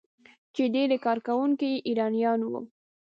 چې ډیری کارکونکي یې ایرانیان وو.